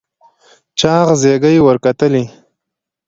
چاغ زيږې ور وکتلې.